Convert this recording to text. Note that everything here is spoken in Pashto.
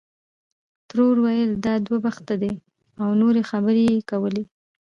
ترور ویل دا دوه بخته دی او نورې خبرې یې کولې.